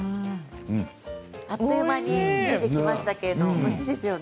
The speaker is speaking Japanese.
あっという間にできましたけれどもおいしいですよね。